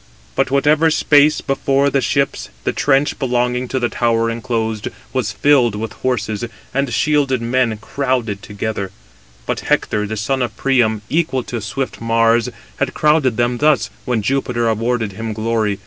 But whatever space before the ships the trench belonging to the tower enclosed, was filled with horses and shielded men crowded together. 271 But Hector, the son of Priam, equal to swift Mars, had crowded them thus, when Jupiter awarded him glory.